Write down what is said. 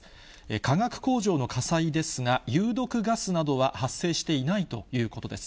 化学工場の火災ですが、有毒ガスなどは発生していないということです。